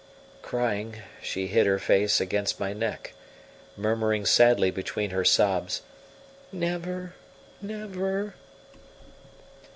Crying, she hid her face against my neck, murmuring sadly between her sobs: "Never never!"